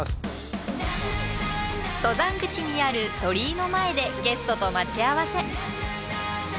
登山口にある鳥居の前でゲストと待ち合わせ。